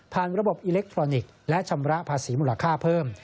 ระบบอิเล็กทรอนิกส์และชำระภาษีมูลค่าเพิ่ม